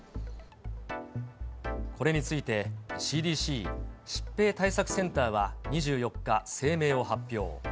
これについてＣＤＣ・疾病対策センターは２４日、声明を発表。